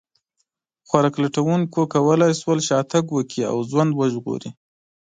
خوراک لټونکو کولی شول شا تګ وکړي او ژوند وژغوري.